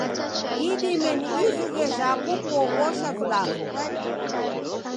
Idime ni izughe jhapo kuoghosha vilambo.